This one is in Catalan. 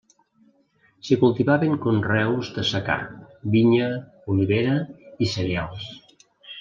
S’hi cultivaven conreus de secà: vinya, olivera i cereals.